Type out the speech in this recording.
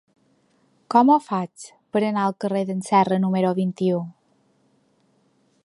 Com ho faig per anar al carrer d'en Serra número vint-i-u?